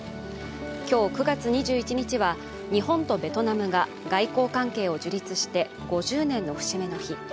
今日９月２１日は日本とベトナムが外交関係を樹立して５０年の節目の日。